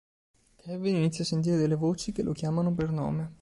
Kevin inizia a sentire delle voci che lo chiamano per nome.